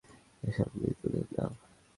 এসব মৃতদের নাম।